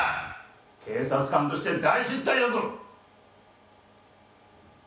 「警察官として大失態だぞ！」